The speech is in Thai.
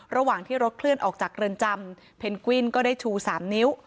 ระหว่างที่รถเคลื่อนออกจากเรือนจำเพนกวินก็ได้ชู๓นิ้ว